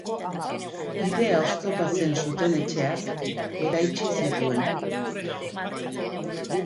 Bidea oztopatzen zuten etxeak eraitsi zituen.